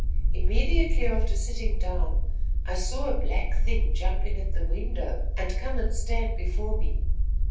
Immediately after sitting down, I saw a black thing jump in at the window and come and stand before me.